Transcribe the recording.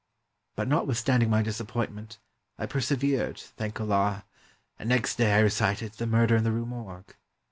But notwithstanding my disappointment, I persevered, thank Allah, and next day I recited 'The Murder in the Rue Morgue.'